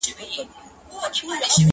• قاضي ډېر قهر نیولی دئ سړي ته..